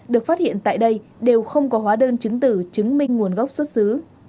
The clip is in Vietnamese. được phát hiện tại đây đều không có hóa đơn chứng tử chứng minh nguồn gốc xuất xứ